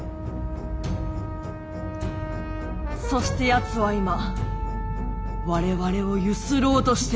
そしてやつは今我々を強請ろうとしている。